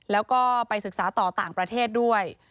แล้วก็ไปศึกษาต่อต่างประเทศด้วย